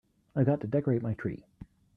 I've got to decorate my tree.